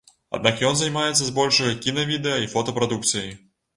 Аднак ён займаецца збольшага кіна-відэа і фота прадукцыяй.